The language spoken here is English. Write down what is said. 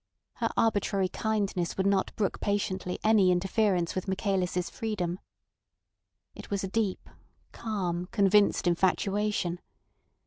Her arbitrary kindness would not brook patiently any interference with Michaelis' freedom. It was a deep, calm, convinced infatuation.